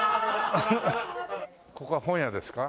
ここは本屋ですか？